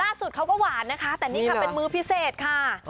เขาก็หวานนะคะแต่นี่ค่ะเป็นมื้อพิเศษค่ะ